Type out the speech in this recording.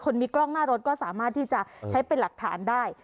มีกล้องหน้ารถก็สามารถที่จะใช้เป็นหลักฐานได้